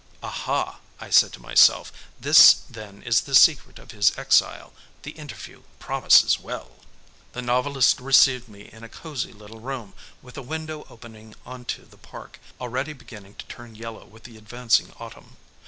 "Aha," I said to myself, "this then is the secret of his exile; the interview promises well!" The novelist received me in a cosy little room, with a window opening onto the park, already beginning to turn yellow with the advancing autumn.